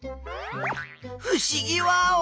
ふしぎワオ。